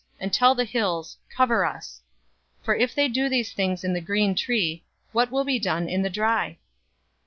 and tell the hills, 'Cover us.'{Hosea 10:8} 023:031 For if they do these things in the green tree, what will be done in the dry?"